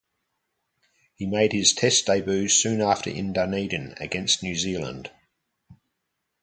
He made his Test debut soon after in Dunedin against New Zealand.